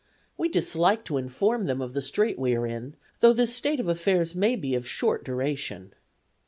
We dislike to inform them of the strait we are in, though this state of affairs may be of short duration."